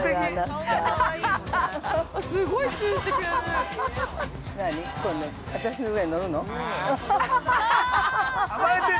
◆すごいチューしてくれる。